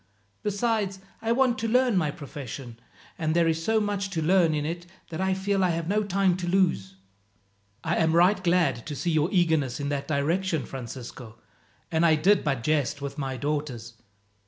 Besides, I want to learn my profession, and there is so much to learn in it that I feel I have no time to lose." "I am right glad to see your eagerness in that direction, Francisco, and I did but jest with my daughters.